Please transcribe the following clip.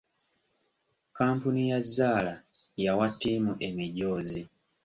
Kkampuni ya zzaala yawa ttiimu emijoozi.